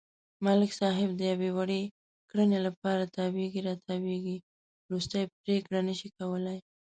ملک صاحب د یوې وړې کړنې لپاره تاوېږي را تاووېږي، ورستۍ پرېکړه نشي کولای.